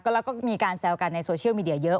แล้วก็มีการแซวกันในโซเชียลมีเดียเยอะ